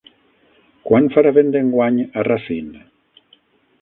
Quan farà vent enguany a Racine?